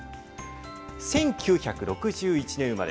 １９６１年生まれ。